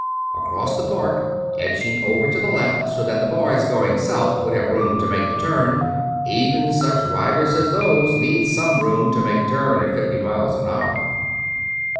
Across the Park, edging over to the left so that the boys going south would have room to make the turn even such riders as those need some room to make a turn at fifty miles per hour!